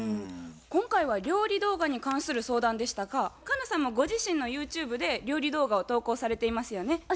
今回は料理動画に関する相談でしたが佳奈さんもご自身のユーチューブで料理動画を投稿されていますよね。